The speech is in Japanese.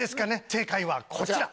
正解はこちら。